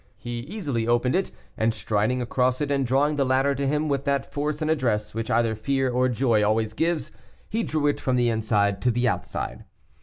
He easily opened it, and striding across it and drawing the ladder to him with that force and address which either fear or joy always gives, he drew it from the inside to the outside.